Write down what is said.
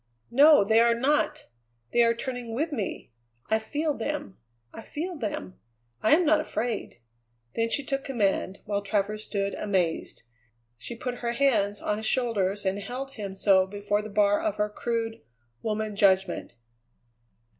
"No, they are not! They are turning with me. I feel them; I feel them. I am not afraid." Then she took command, while Travers stood amazed. She put her hands on his shoulders and held him so before the bar of her crude, woman judgment.